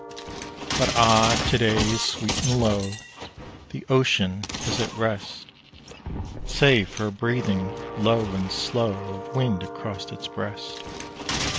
But, ah, to day is sweet and lo, The ocean is at rest, Save for a breathing low and slow Of wind across its breast.